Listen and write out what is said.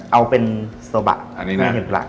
เอาเป็นโซบะกุ้งเทมปุระก่อนดีกว่าครับ